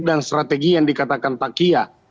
dan strategi yang dikatakan takia